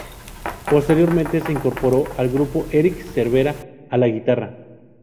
Posteriormente, se incorporó al grupo Eric Cervera, a la guitarra.